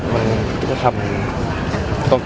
แบบเพื่อนพูดมาอะไรอย่างนี้ว่า